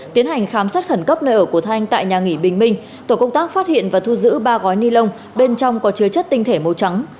tiến hành khám xét khẩn cấp nơi ở của thanh tại nhà nghỉ bình minh tổ công tác phát hiện và thu giữ ba gói ni lông bên trong có chứa chất tinh thể màu trắng